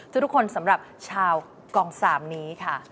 ทุกคนสำหรับชาวกอง๓นี้ค่ะ